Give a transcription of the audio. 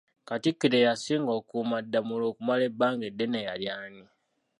Katikkiro eyasinga okukuuma Ddamula okumala ebbanga eddene yali ani?